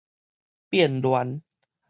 變亂